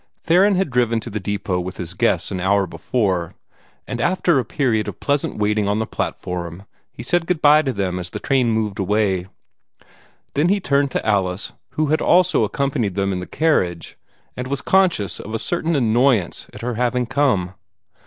Theron had driven to the depot with his guests an hour before, and after a period of pleasant waiting on the platform, had said good bye to them as the train moved away. Then he turned to Alice, who had also accompanied them in the carriage, and was conscious of a certain annoyance at her having come.